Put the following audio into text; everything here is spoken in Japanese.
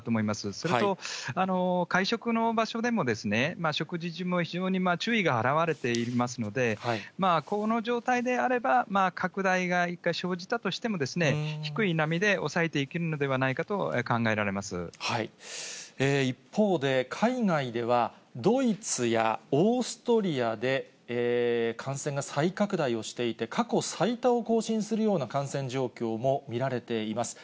それと、会食の場所でも、食事中も非常に注意が払われていますので、この状態であれば、拡大が一回生じたとしても、低い波で抑えていけるのではない一方で、海外ではドイツやオーストリアで感染が再拡大をしていて、過去最多を更新するような感染状況も見られています。